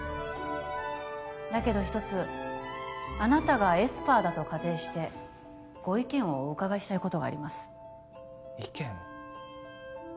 だけど一つあなたがエスパーだと仮定してご意見をお伺いしたいことがあります意見？